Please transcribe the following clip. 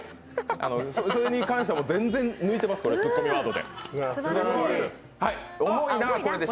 それに関しては全然抜いてます、ツッコミワードで。